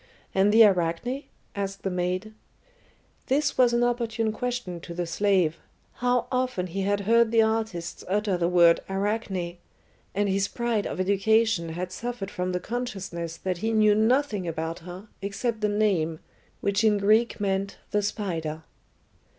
"And the Arachne?" asked the maid. This was an opportune question to the slave how often he had heard the artists utter the word "Arachne!" and his pride of education had suffered from the consciousness that he knew nothing about her except the name, which in Greek meant "the spider."